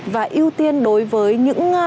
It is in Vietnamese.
và ưu tiên đối với những